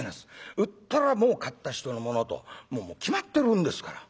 売ったらもう買った人のものともう決まってるんですから。